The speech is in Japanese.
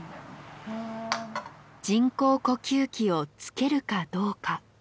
人工呼吸器をつけるかどうか。